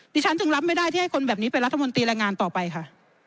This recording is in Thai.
ฉันจึงรับไม่ได้ที่ให้คนแบบนี้เป็นรัฐมนตรีแรงงานต่อไปค่ะ